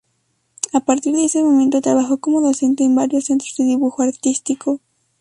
A partir de ese momento, trabajó como docente en varios centros de dibujo artístico.